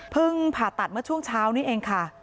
ผ่าตัดเมื่อช่วงเช้านี้เองค่ะ